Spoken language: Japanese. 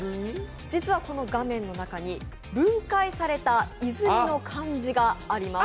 実はこの画面の中に分解された泉があります。